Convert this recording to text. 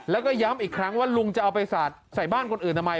แล้วก็ย้ำอีกครั้งว่าลุงจะเอาไปสาดใส่บ้านคนอื่นทำไม